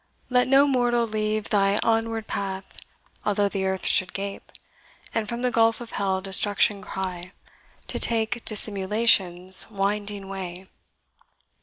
let no mortal leave Thy onward path, although the earth should gape, And from the gulf of hell destruction cry, To take dissimulation's winding way.